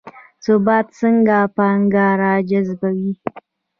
ثبات څنګه پانګه راجذبوي؟